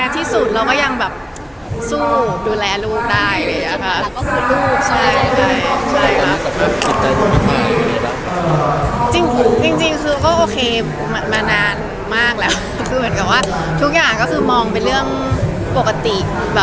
ที่สุดเราก็ยังแบบสู้ดูแลลูกได้เลยไงครับ